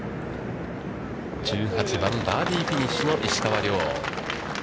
１８番、バーディーフィニッシュの石川遼。